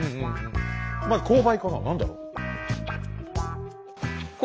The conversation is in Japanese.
まず勾配かな何だろう？